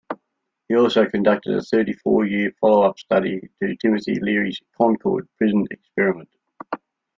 He also conducted a thirty-four year follow-up study to Timothy Leary's Concord Prison Experiment.